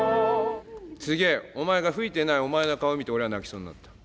すげえお前が吹いてないお前の顔見て俺は泣きそうになった。